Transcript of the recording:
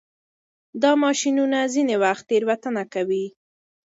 دا ماشینونه ځینې وخت تېروتنه کوي.